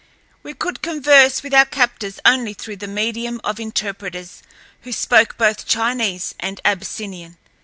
We could converse with our captors only through the medium of interpreters who spoke both Chinese and Abyssinian.